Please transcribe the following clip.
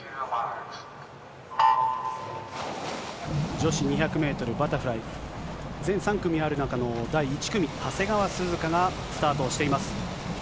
女子２００メートルバタフライ、全３組ある中の第１組、長谷川涼香がスタートをしています。